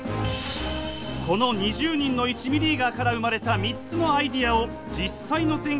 この２０人の１ミリーガーから生まれた３つのアイデアを実際の選挙で試します。